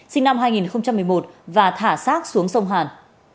sinh năm hai nghìn một mươi một và thả sát xuống sông hàn